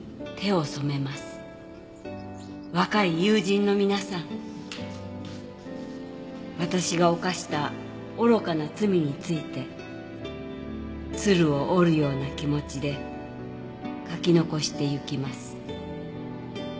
「若い友人の皆さん私が犯した愚かな罪について鶴を折るような気持ちで書き遺して行きます」